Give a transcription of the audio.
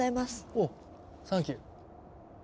おっサンキュー。